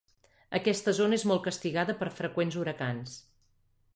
Aquesta zona és molt castigada per freqüents huracans.